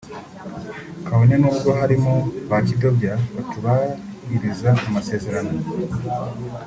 kabone n’ubwo harimo ba kidobya batubahiriza amasezerano